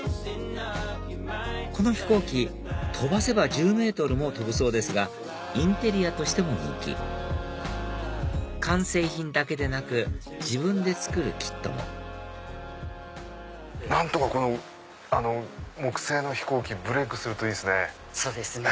この飛行機飛ばせば１０ｍも飛ぶそうですがインテリアとしても人気完成品だけでなく自分で作るキットも何とか木製の飛行機ブレイクするといいですね。